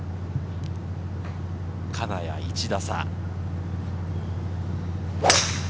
金谷は１打差。